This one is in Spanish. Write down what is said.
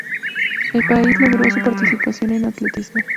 El país logró su participación en atletismo.